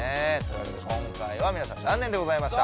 今回はみなさん残念でございました。